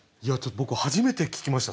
僕初めて聞きました